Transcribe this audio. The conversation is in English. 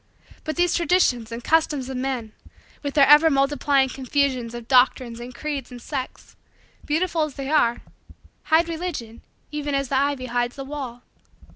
But these traditions and customs of men, with their ever multiplying confusions of doctrines and creeds and sects, beautiful as they are, hide Religion even as the ivy hides the wall.